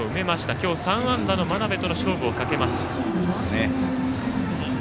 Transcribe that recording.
今日３安打の真鍋との勝負を避けます。